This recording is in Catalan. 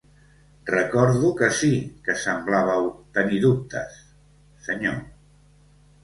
Recordo que sí que semblàveu tenir dubtes, senyor.